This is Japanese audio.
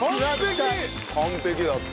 完璧だった。